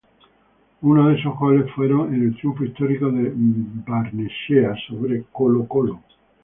Uno de esos goles fueron en el triunfo histórico de Barnechea sobre Colo-Colo.